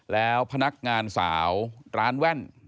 แล้วพนักงานสาวร้านแว่น